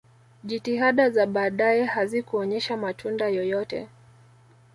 jitihada za baadaye hazikuonyesha matunda yoyote